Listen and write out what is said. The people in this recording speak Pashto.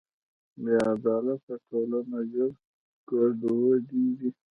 بېعدالته ټولنه ژر ګډوډېږي.